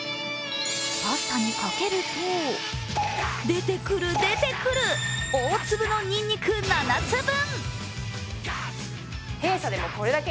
パスタにかけると、出てくる、出てくる、大粒のニンニク７つ分。